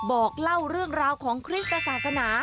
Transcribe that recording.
บอกเล่าเรื่องราวของคริสตศาสนา